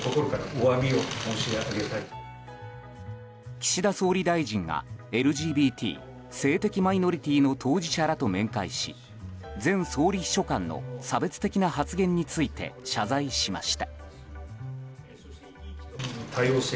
岸田総理大臣がＬＧＢＴ・性的マイノリティーの当事者らと面会し前総理秘書官の差別的な発言について謝罪しました。